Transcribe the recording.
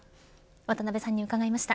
渡辺さんに伺いました。